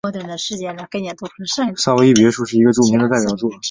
萨伏伊别墅是一个著名的代表作。